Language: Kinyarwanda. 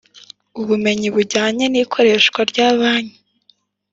Ubumenyi bujyanye n ikoreshwa rya banki